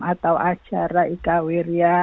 atau acara ika wiria